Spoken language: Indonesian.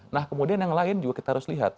nah kemudian yang lain juga kita harus lihat